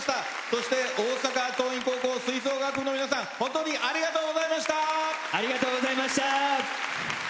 そして大阪桐蔭高校吹奏楽の皆さんありがとうございました。